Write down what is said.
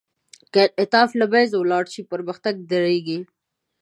که انعطاف له منځه ولاړ شي، پرمختګ درېږي.